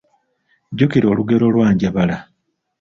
Jjukira olugero lwa Njabala.